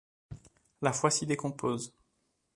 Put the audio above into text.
La foi s’y décompose.